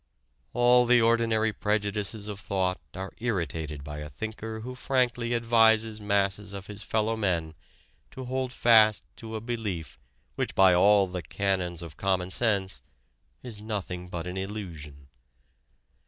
All the ordinary prejudices of thought are irritated by a thinker who frankly advises masses of his fellow men to hold fast to a belief which by all the canons of common sense is nothing but an illusion.